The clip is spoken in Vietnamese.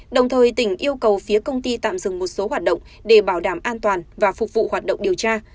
đồng thời tỉnh yêu cầu phía công ty tạm dừng một số hoạt động để bảo đảm an toàn và phục vụ hoạt động điều tra